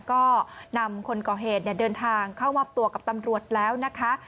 ก็นำคนก่อเหตุเดินทางเข้ามอบตัวกับตำรวจแล้วนะคะ